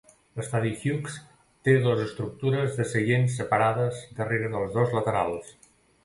L'estadi Hughes té dos estructures de seients separades darrera dels dos laterals.